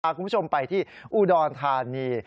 คุณผู้ชมไปที่อุดรธานี